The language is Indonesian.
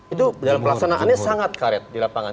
itu dalam pelaksanaannya sangat karet di lapangan